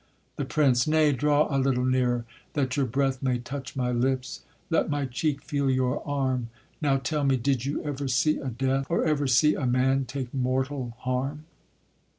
THE PRINCE. Nay, draw a little nearer, that your breath May touch my lips, let my cheek feel your arm; Now tell me, did you ever see a death, Or ever see a man take mortal harm?